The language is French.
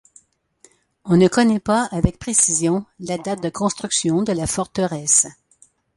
On ne connaît pas avec précision la date de construction de la forteresse.